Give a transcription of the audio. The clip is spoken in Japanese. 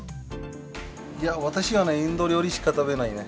いや私はねインド料理しか食べないね。